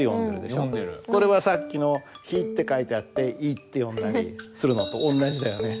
これはさっきの「ひ」って書いてあって「い」って読んだりするのと同じだよね。